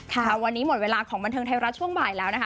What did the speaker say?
ค่ะวันนี้หมดเวลาของบันเทิงไทยรัฐช่วงบ่ายแล้วนะคะ